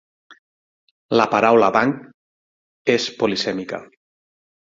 La paraula banc és polisèmica.